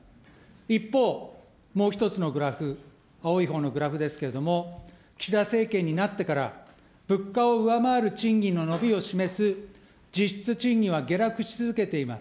一方、もう一つのグラフ、青いほうのグラフですけれども、岸田政権になってから、物価を上回る賃金の伸びを示す実質賃金は下落し続けています。